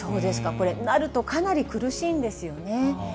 これ、なるとかなり苦しいんですよね。